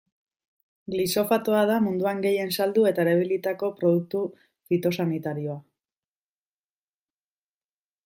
Glifosatoa da munduan gehien saldu eta erabilitako produktu fitosanitarioa.